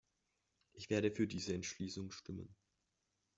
Ich werde für diese Entschließung stimmen.